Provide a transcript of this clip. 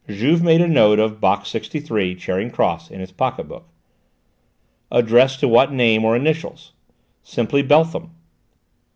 Juve made a note of Box 63, Charing Cross in his pocket book. "Addressed to what name or initials?" "Simply Beltham."